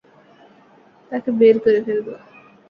তাকে বের করে ফেলবো।